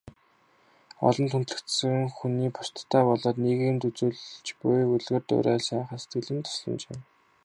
Олонд хүндлэгдсэн хүний бусдадаа болоод нийгэмд үзүүлж буй үлгэр дуурайл, сайхан сэтгэлийн тусламж юм.